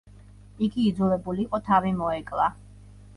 იგი იძულებულ იყო თავი მოეკლა.